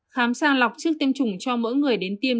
khám sàng lọc trước tiêm chủng cho mỗi người đến tiêm